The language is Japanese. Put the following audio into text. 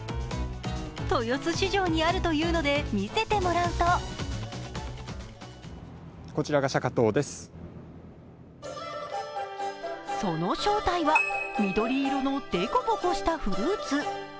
豊洲市場にあるというので見せてもらうとその正体は緑色のでこぼこしたフルーツ。